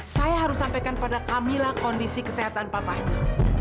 saya harus sampaikan pada kamilah kondisi kesehatan papahnya